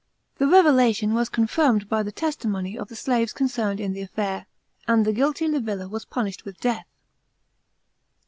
The revelation was confirmed by the testimony of the slaves concerned in the affair, and the guilty Livilla was punished with death.